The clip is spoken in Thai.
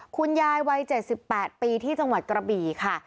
คุณยายวัย๗๘ปีที่จังหวัดกระบี่ค่ะ